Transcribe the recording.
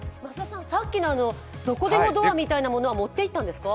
さっきのどこでもドアみたいなものは持って行ったんですか？